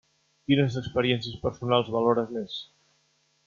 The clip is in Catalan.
Quines experiències personals valores més?